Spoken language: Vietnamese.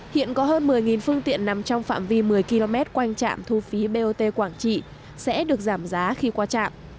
hiện có hơn một mươi phương tiện nằm trong phạm vi một mươi km quanh trạm thu phí bot quảng trị sẽ được giảm giá khi qua trạm